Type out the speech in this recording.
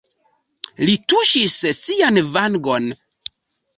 Li tuŝis sian vangon.